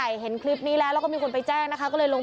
แต่อย่างที่บอกค่ะแม่ลูกสามคนนี้ไม่มีใครสวมหน้ากากอนามัยเลยอ่ะค่ะ